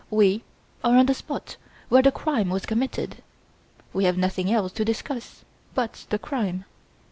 We are on the spot where the crime was committed. We have nothing else to discuss but the crime.